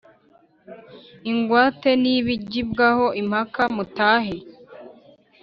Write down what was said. ingwate niba igibwaho impaka mutahe